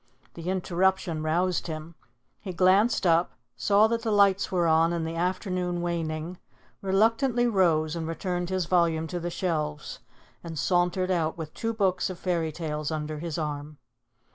The interruption roused him. He glanced up, saw that the lights were on and the afternoon waning, reluctantly rose and returned his volume to the shelves, and sauntered out with two books of fairy tales under his arm.